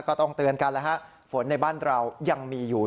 ก็ต้องเตือนกันแล้วฮะฝนในบ้านเรายังมีอยู่